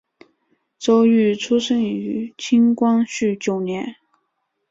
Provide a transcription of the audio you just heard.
周珏生于清光绪九年。